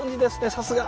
さすが！